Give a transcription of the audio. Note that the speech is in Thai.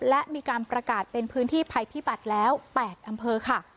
และมีการประกาศเป็นพื้นที่ภัยพิบัติแล้ว๘อำเภอค่ะ